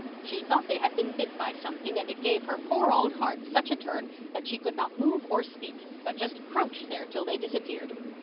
She thought they had been bit by something and it gave her poor old heart such a turn that she could not move or speak, but just crouched there till they disappeared.